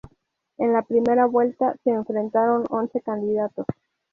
En la primera vuelta se enfrentaron once candidatos.